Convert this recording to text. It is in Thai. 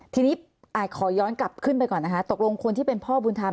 ทีนี้ขอย้อนกลับขึ้นไปก่อนนะคะตกลงคนที่เป็นพ่อบุญธรรม